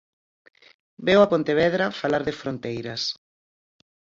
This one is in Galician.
Veu a Pontevedra falar de fronteiras.